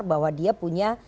bahwa dia punya